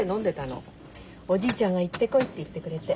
おじいちゃんが行ってこいって言ってくれて。